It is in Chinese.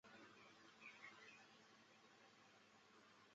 例如有些病人报告说在儿童时代曾遭受虐待和欺凌。